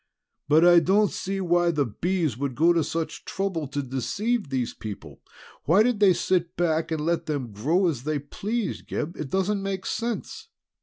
"But I don't see why the Bees should go to such trouble to deceive these people. Why did they sit back and let them grow as they pleased, Gib? It doesn't make sense!"